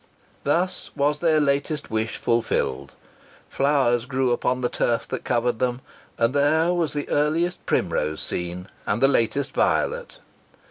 Thus was their latest wish fulfilled. Flowers grew upon the turf that covered them, and there was the earliest primrose seen, and the latest violet.